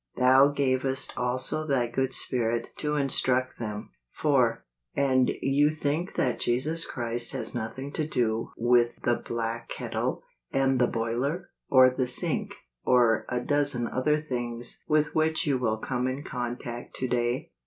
" Thou gavest also thy good spirit to instruct them." 50 MAY. 51 4. And you think that Jesus Christ has nothing to do with the black kettle, and the boiler, or the sink, or a dozen other things with which you will come in contact to¬ day